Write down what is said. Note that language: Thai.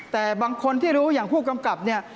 แต่บางคนที่รู้อย่างผู้กำกับเนี่ย